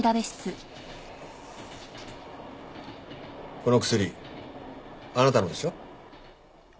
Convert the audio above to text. この薬あなたのでしょ？